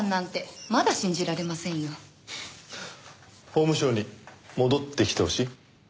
法務省に戻ってきてほしい？